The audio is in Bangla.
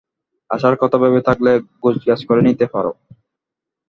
আসার কথা ভেবে থাকলে গোছগাছ করে নিতে পারো।